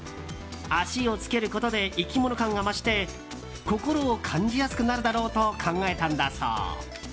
脚をつけることで生き物感が増して心を感じやすくなるだろうと考えたんだそう。